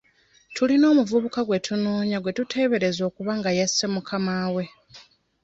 Tulina omuvubuka gwe tunoonya gwe tuteebereza okuba nga yasse mukamaawe.